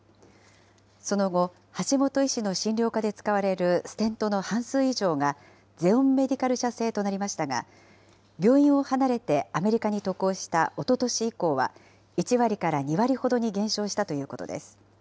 その後、橋本医師の診療科で使われるステントの半数以上がゼオンメディカル社製となりましたが、病院を離れてアメリカに渡航したおととし以降は、１割から２割ほどに減少したということです。